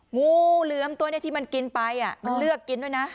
งูเหลือมตัวนี้ที่มันกินไปมันเลือกกินด้วยนะ